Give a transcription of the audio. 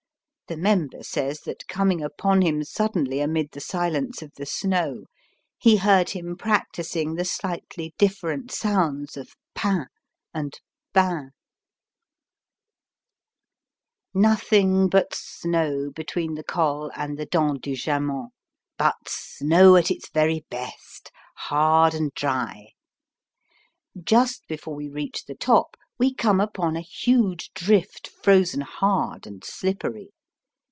The Member says that, coming upon him suddenly amid the silence of the snow, he heard him practising the slightly different sounds of pain and bain. Nothing but snow between the Col and the Dent du Jaman, but snow at its very best, hard and dry. Just before we reach the top we come upon a huge drift frozen hard and slippery.